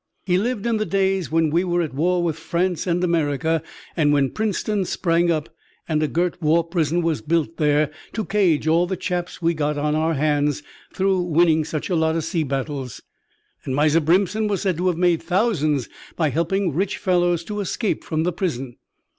He'd lived in the days when we were at war with France and America, and when Princetown sprang up, and a gert war prison was built there to cage all the chaps we got on our hands through winning such a lot o' sea battles. And Miser Brimpson was said to have made thousands by helping rich fellows to escape from the prison.